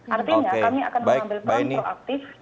artinya kami akan mengambil peran proaktif